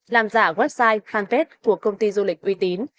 làm giả website fanpage của công ty du lịch uy tín